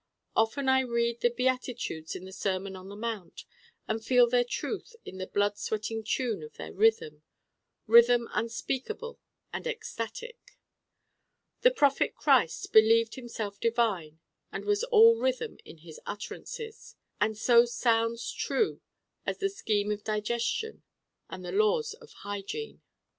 Often I read the Beatitudes in the Sermon on the Mount and feel their truth in the blood sweating tune of their Rhythm Rhythm unspeakable and ecstatic. The prophet Christ believed himself divine and was all Rhythm in his utterances: and so sounds true as the scheme of digestion and the laws of hygiene.